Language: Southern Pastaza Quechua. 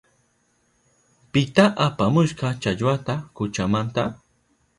¿Pita apamushka challwata kuchamanta?